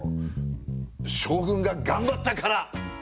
将軍が頑張ったからみたいな。